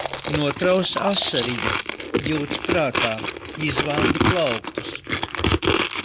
Notraus asariņu. Jūc prātā. Izvandi plauktus!